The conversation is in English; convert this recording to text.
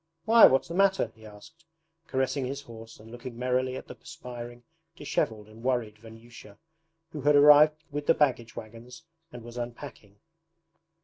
'Why, what's the matter?' he asked, caressing his horse and looking merrily at the perspiring, dishevelled, and worried Vanyusha, who had arrived with the baggage wagons and was unpacking.